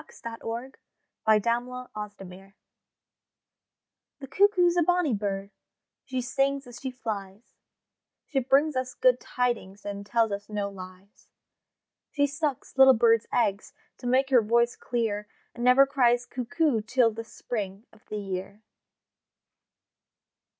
COUNTRY BOYS' SONGS THE CUCKOO The cuckoo's a bonny bird, She sings as she flies; She brings us good tidings, And tells us no lies. She sucks little birds' eggs, To make her voice clear, And never cries Cuckoo Till the spring of the year.